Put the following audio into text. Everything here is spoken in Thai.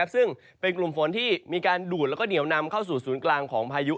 ซึ่งเป็นกลุ่มฝนที่มีการดูดแล้วก็เหนียวนำเข้าสู่ศูนย์กลางของพายุ